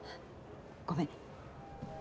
ごめん。